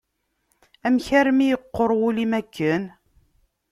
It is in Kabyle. Amek armi yeqqur wul-im akken?